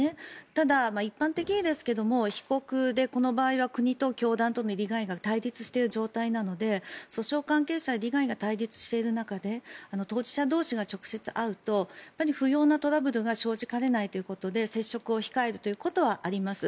ただ、一般的にですが被告で、この場合は国と教団との利害が対立している状況なので訴訟関係者が利害が対立している中で当事者同士が直接会うと不要なトラブルが生じかねないということで接触を控えるということはあります。